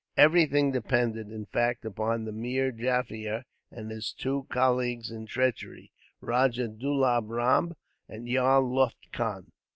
Everything depended, in fact, upon Meer Jaffier and his two colleagues in treachery, Rajah Dulab Ram and Yar Lutf Khan.